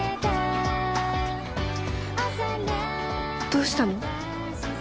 どうしたの？